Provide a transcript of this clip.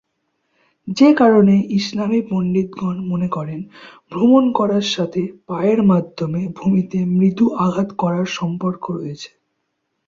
যে কারণে ইসলামি পণ্ডিতগণ মনে করেন, ভ্রমণ করার সাথে পায়ের মাধ্যমে ভূমিতে মৃদু আঘাত করার সম্পর্ক রয়েছে।